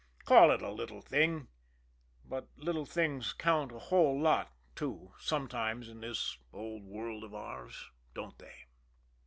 Call it a little thing but little things count a whole lot, too, sometimes in this old world of ours, don't they?